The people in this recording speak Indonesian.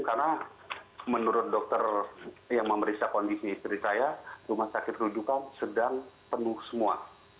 karena menurut dokter yang memeriksa kondisi istri saya rumah sakit rujukan sedang penuh semua